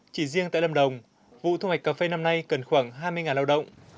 chỉ riêng tại lâm đồng vụ thu hoạch cà phê năm nay cần khoảng hai mươi lao động